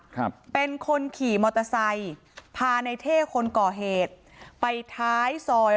ครับเป็นคนขี่มอเตอร์ไซค์พาในเท่คนก่อเหตุไปท้ายซอย